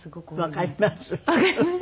わかります。